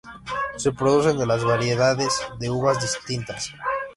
Se producen de las variedades de uvas tintas.